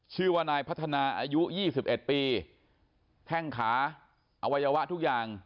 ชื่อว่านายพัฒนาอายุ๒๑ปีแท่งขาอวัยวะทุกอย่าง